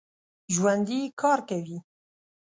ژوندي کار کوي